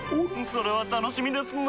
それは楽しみですなぁ。